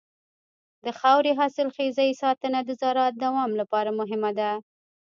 د خاورې د حاصلخېزۍ ساتنه د زراعت د دوام لپاره مهمه ده.